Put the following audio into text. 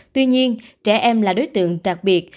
tuy nhiên trẻ em là đối tượng đặc biệt